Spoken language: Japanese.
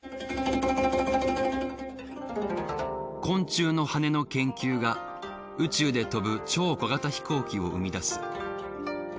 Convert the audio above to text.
昆虫のハネの研究が宇宙で飛ぶ超小型飛行機を生み出す。